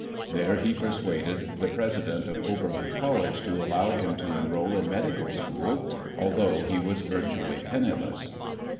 There, he persuaded the President of Oberlin College to allow him to enroll in medical school although he was virtually penniless.